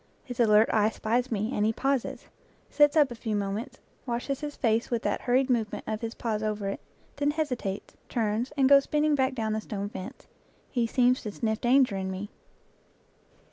His alert eye spies me, and he pauses, sits up a few moments, washes his face with that hurried movement of his paws over it, then hesitates, turns, and goes spin ning back down the stone fence. He seems to sniff danger in me.